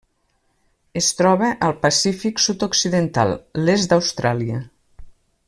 Es troba al Pacífic sud-occidental: l'est d'Austràlia.